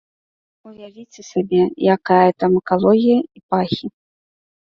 Уявіце сабе, якая там экалогія і пахі.